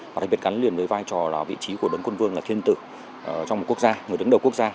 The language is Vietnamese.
và đặc biệt gắn liền với vai trò là vị trí của đấng quân vương là thiên tử trong một quốc gia người đứng đầu quốc gia